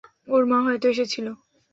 ওর মা হয়তো এসেছিল।